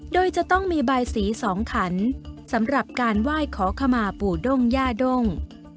โดยจะต้องมีบายสี๒ขันสำหรับการไหว้ขอขมาปู่ด้งย่าด้ง